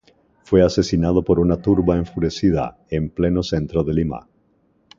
Fue asesinado por una turba enfurecida, en pleno centro de Lima.